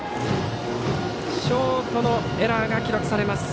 ショートのエラーが記録されます。